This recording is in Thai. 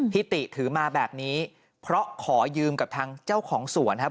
ติถือมาแบบนี้เพราะขอยืมกับทางเจ้าของสวนครับ